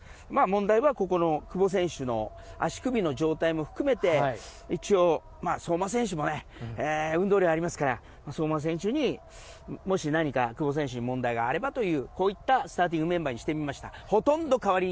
問題は久保選手の足首の状態も含めて相馬選手も運動量ありますから相馬選手に、久保選手に何か問題があればということでこういうスターティングメンバーにしてみました。